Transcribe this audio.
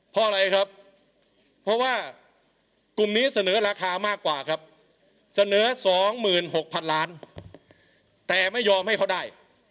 เพราะอะไรครับเพราะว่ากลุ่มนี้เสนอราคามากกว่าครับเสนอ๒๖๐๐๐ล้านแต่ไม่ยอมให้เขาได้